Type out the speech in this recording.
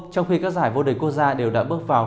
trong khi các giải vô địch quốc gia đều đã bước vào